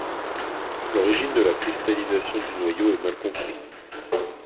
L'origine de la cristallisation du noyau est mal comprise.